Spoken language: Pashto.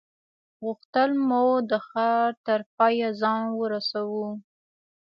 غوښتل مو د ښار تر پایه ځان ورسوو.